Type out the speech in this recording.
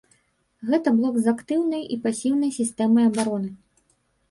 Гэта блок з актыўнай і пасіўнай сістэмай абароны.